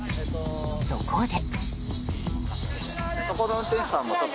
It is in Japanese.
そこで。